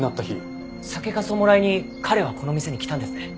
酒粕をもらいに彼はこの店に来たんですね。